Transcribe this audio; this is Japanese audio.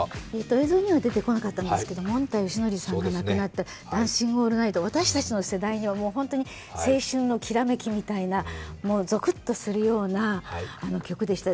映像には出てこなかったんですけど、もんたよしのりさんが亡くなって、「ダンシング・オールナイト」私たちの世代には本当に青春のきらめきみたいなゾクッとするような曲でした。